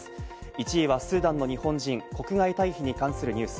１位はスーダンの日本人、国外退避に関するニュース。